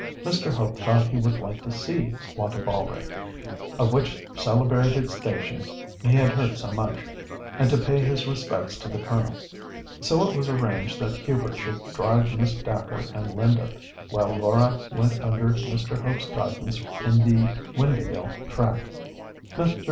Mr. Hope thought he would like to see Wantabalree, of which celebrated station he had heard so much, and to pay his respects to the Colonel. So it was arranged that Hubert should drive Miss Dacre and Linda, while Laura went under Mr. Hope's guidance in the Windāhgil trap. Mr.